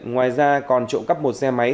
ngoài ra còn trộm cấp một xe máy